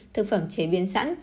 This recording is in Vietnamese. thực phẩm chế biến sẵn